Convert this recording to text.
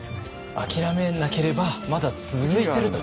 諦めなければまだ続いてると。